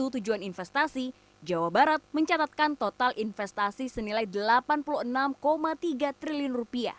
tujuan investasi jawa barat mencatatkan total investasi senilai rp delapan puluh enam tiga triliun